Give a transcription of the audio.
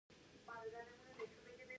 د نخود ګل د غږ لپاره وکاروئ